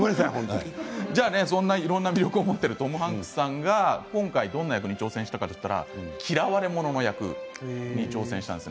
そんな、いろんな魅力を持ってるトム・ハンクスさんが今回どんな役に挑戦したかといったら嫌われ者の役に挑戦しました。